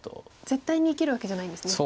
絶対に生きるわけじゃないんですね。